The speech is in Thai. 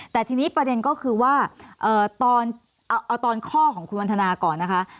แต่ทีนี้ประเด็นก็คือว่าเอาตอนข้อของคุณวันทนาก่อนนะคะ